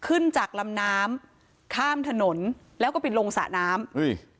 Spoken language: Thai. ขึ้นจากลำน้ำข้ามถนนแล้วก็ไปลงสระน้ำอุ้ย